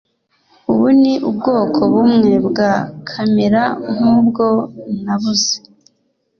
ubu ni ubwoko bumwe bwa kamera nkubwo nabuze